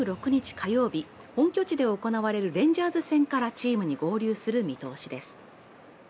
火曜日、本拠地で行われるレンジャーズ戦からチームに合流する見通しです。